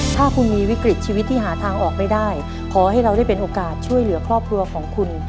ถ้าคุณมีวิกฤตชีวิตที่หาทางออกไม่ได้ขอให้เราได้เป็นโอกาสช่วยเหลือครอบครัวของคุณ